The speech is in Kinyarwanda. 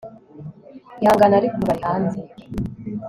Ihangane ariko ubu ari hanze